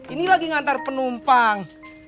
ini lagi ngantar penumpang